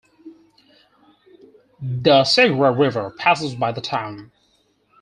The Segura River passes by the town.